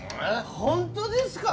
本当ですか？